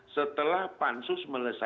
setelah pansus menyelesaikan